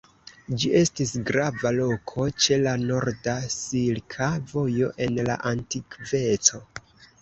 Ĝi estis grava loko ĉe la norda Silka Vojo en la antikveco.